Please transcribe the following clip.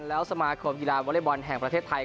แล้วสมาคมกีฬาวอเล็กบอลแห่งประเทศไทย